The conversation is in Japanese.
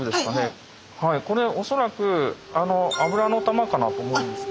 はいこれおそらく油の球かなと思うんです。